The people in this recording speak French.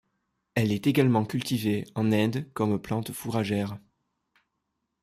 Elle est également cultivée en Inde comme plante fourragère.